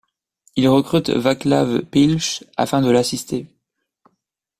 Il recrute Václav Pichl afin de l'assister.